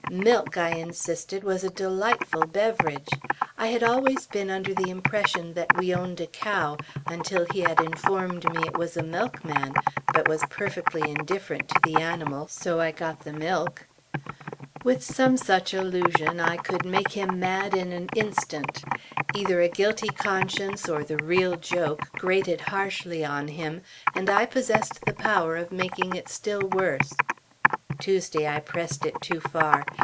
"Milk" I insisted was a delightful beverage. I had always been under the impression that we owned a cow, until he had informed me it was a milkman, but was perfectly indifferent to the animal so I got the milk. With some such allusion, I could make him mad in an instant. Either a guilty conscience, or the real joke, grated harshly on him, and I possessed the power of making it still worse. Tuesday I pressed it too far.